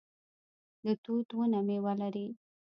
د توت ونه میوه لري